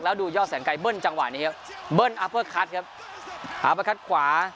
แล้วดูยอดแสนไกลเบิ้ลจังหวะนี้ครับเบิ้ลขวา